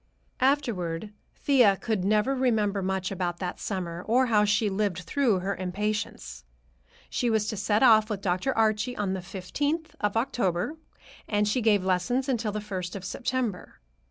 Afterward Thea could never remember much about that summer, or how she lived through her impatience. She was to set off with Dr. Archie on the fifteenth of October, and she gave lessons until the first of September.